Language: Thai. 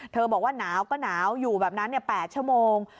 บอกว่าหนาวก็หนาวอยู่แบบนั้น๘ชั่วโมง